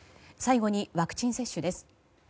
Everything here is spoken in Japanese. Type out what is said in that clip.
最後にワクチン接種です。